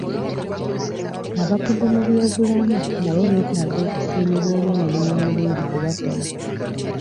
Abakugu mu by'obulamu nabo beetaaga okusiimibwa olw'omulimu omulungi gwe bakola.